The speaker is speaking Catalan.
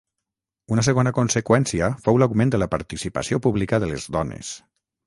Una segona conseqüència fou l'augment de la participació pública de les dones.